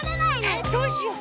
えっどうしよう。